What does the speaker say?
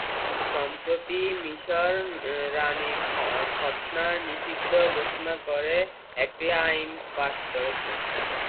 সম্প্রতি মিশর নারী খৎনা নিষিদ্ধ ঘোষণা করে একটি আইন পাস করেছে।